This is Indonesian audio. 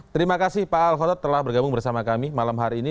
terima kasih pak al khotot telah bergabung bersama kami malam hari ini